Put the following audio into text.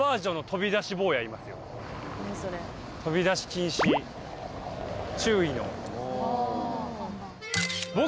飛び出し禁止注意の僕